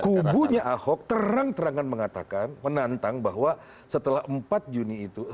kubunya ahok terang terangan mengatakan menantang bahwa setelah empat juni itu